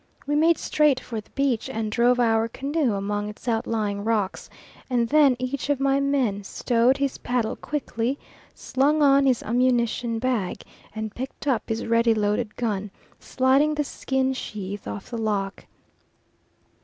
We made straight for the beach, and drove our canoe among its outlying rocks, and then each of my men stowed his paddle quickly, slung on his ammunition bag, and picked up his ready loaded gun, sliding the skin sheath off the lock.